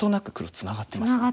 ツナがってますね。